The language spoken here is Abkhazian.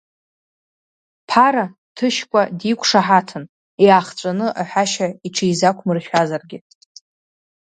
Ԥара Ҭышькәа диқәшаҳаҭын, иаахҵәаны аҳәашьа иҽизақәмыршәазаргьы.